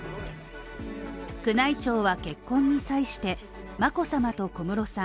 宮内庁は結婚に際して眞子さまと小室さん